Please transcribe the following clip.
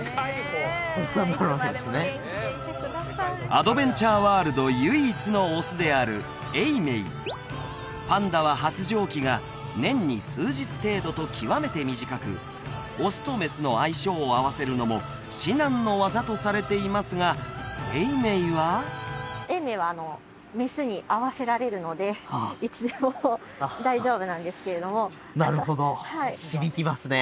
アドベンチャーワールド唯一のオスである永明パンダは発情期が年に数日程度と極めて短くオスとメスの相性を合わせるのも至難の業とされていますが永明は永明はメスに合わせられるのでいつでも大丈夫なんですけれどもなるほど響きますね